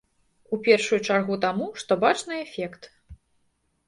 У першую чаргу таму, што бачны эфект.